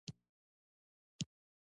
پر تخت به یې کښېنوم.